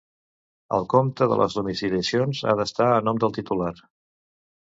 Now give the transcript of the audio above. El compte de les domiciliacions ha d'estar a nom del titular.